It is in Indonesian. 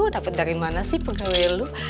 dapet dari mana sih pengawil lu